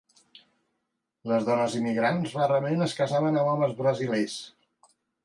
Les dones immigrants rarament es casaven amb homes brasilers.